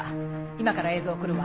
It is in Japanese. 今から映像送るわ。